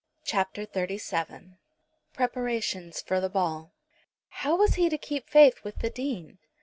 CHAPTER XXXVII. PREPARATIONS FOR THE BALL. How was he to keep faith with the Dean?